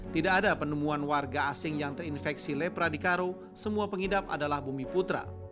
tidak ada penemuan warga asing yang terinfeksi lepradikaro semua pengidap adalah bumi putra